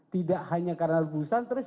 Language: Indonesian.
tidak hanya karena rebusan terus